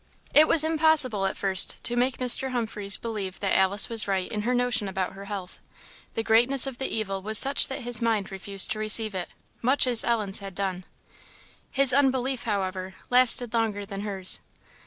It was impossible at first to make Mr. Humphreys believe that Alice was right in her notion about her health. The greatness of the evil was such that his mind refused to receive it, much as Ellen's had done. His unbelief, however, lasted longer than hers.